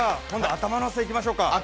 今度は頭乗せ、いきましょうか。